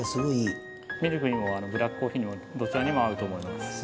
ミルクにもブラックコーヒーにもどちらにも合うと思います。